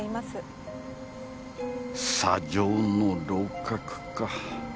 「砂上の楼閣」か。